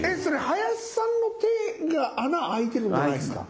林さんの手が穴開いてるんじゃないですか？